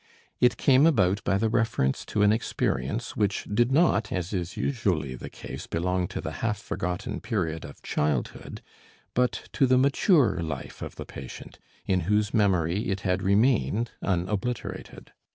It came about by the reference to an experience, which did not, as is usually the case, belong to the half forgotten period of childhood, but to the mature life of the patient, in whose memory it had remained unobliterated.